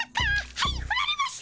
はいふられました！